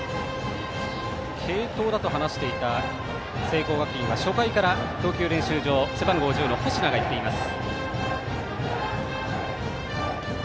継投だと話していた聖光学院は初回から投球練習場背番号１０の星名がいっています。